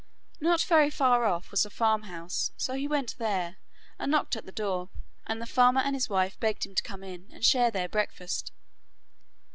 Not very far off was a farm house, so he went there, and knocked at the door, and the farmer and his wife begged him to come in, and share their breakfast.